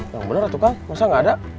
yang bener tuh kak masa nggak ada